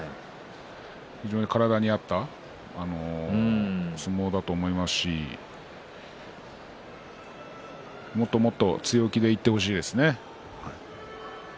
非常に体に合った相撲だと思いますしもっともっと強気でいってほしいですね。